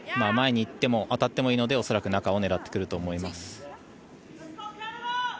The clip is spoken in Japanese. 前に当たってもいいので恐らく中を狙ってくると思います。